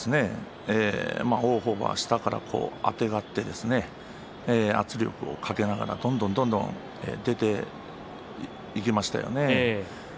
王鵬は下からあてがって圧力をかけながらどんどんどんどん出ていきましたね。